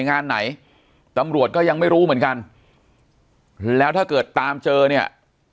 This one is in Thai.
งานไหนตำรวจก็ยังไม่รู้เหมือนกันแล้วถ้าเกิดตามเจอเนี่ย